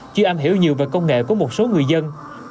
chưa am hiểu nhiều về công nghệ của một số người dân